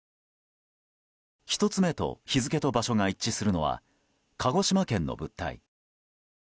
１つ目と日付と場所が一致するのは鹿児島県の物体。